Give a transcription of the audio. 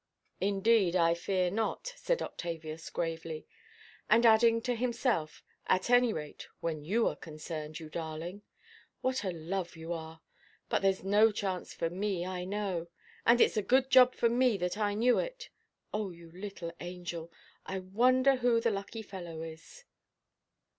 "Indeed, I fear not," said Octavius, gravely; and adding to himself, "at any rate when you are concerned, you darling. What a love you are! But thereʼs no chance for me, I know; and itʼs a good job for me that I knew it. Oh you little angel, I wonder who the lucky fellow is!"